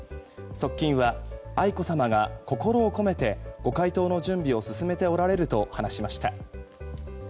側近は、愛子さまが心を込めてご回答の準備を進めておられると話しました。